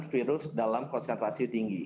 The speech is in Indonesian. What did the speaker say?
virus dalam konsentrasi tinggi